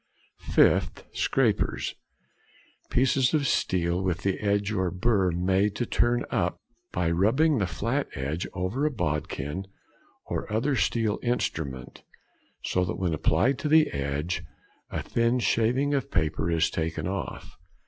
5th. Scrapers.—Pieces of steel with the edge or burr made to turn up by rubbing the edge flat over a bodkin or other steel instrument, so that when applied to the edge a thin shaving of paper is taken off.